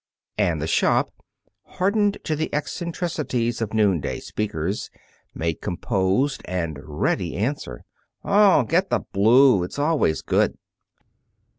And the shop, hardened to the eccentricities of noonday speakers, made composed and ready answer: "Oh, get blue; it's always good."